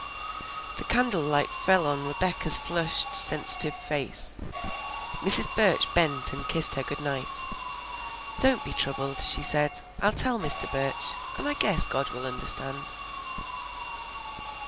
The candle light fell on Rebecca's flushed, sensitive face. Mrs. Burch bent and kissed her good night. "Don't be troubled," she said. "I'll tell Mr. Burch, and I guess God will understand."